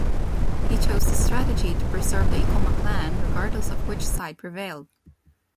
He chose this strategy to preserve the Ikoma clan regardless of which side prevailed.